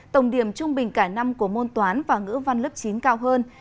tổng điểm trung bình cả năm của môn toán và ngữ văn lớp chín cao hơn